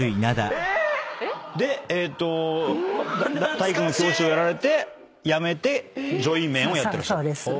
体育の教師をやられて辞めてジョイメーンをやってらっしゃる。